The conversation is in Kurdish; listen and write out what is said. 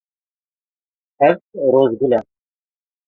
Ev rojgul e.